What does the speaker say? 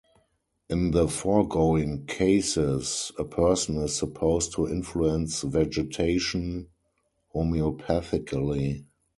In the foregoing cases a person is supposed to influence vegetation homeopathically.